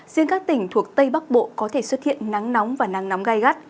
riêng các tỉnh thuộc tây bắc bộ có thể xuất hiện nắng nóng và nắng nóng gai gắt